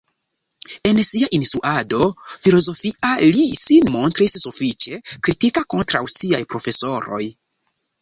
En sia instruado filozofia li sin montris sufiĉe kritika kontraŭ siaj profesoroj.